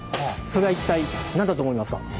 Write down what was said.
それは一体何だと思いますか？